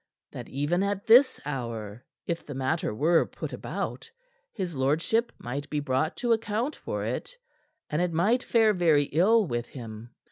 "That even at this hour, if the matter were put about, his lordship might be brought to account for it, and it might fare very ill with him.